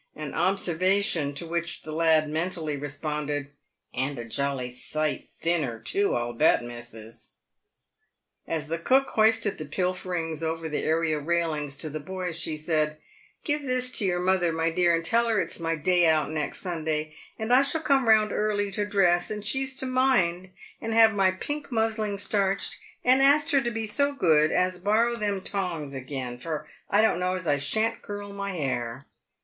An observation to which the lad mentally responded, " And a jolly sight thinner too, I'll bet, missus." As the cook hoisted the pilferings over the area railings to the boy, Bhe said, " Give this to your mother, my dear, and tell her it's my day out 126 PAVED WITH GOLD. next Sunday, and I shall come round early to dress, and she's to mind and have my pink musling starched ; and ask her to be so good as borrow them tongs agin, for I don't know as I shan't curl my hair."